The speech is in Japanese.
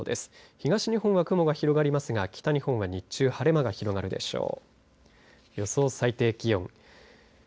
東日本は雲が広がりますが北日本は日中晴れ間が広がるでしょう。